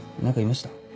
何か言いました？